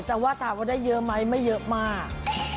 แต่ว่าถามว่าได้เยอะไหมไม่เยอะมาก